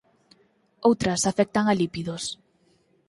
Outras afectan a lípidos.